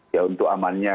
ya untuk amannya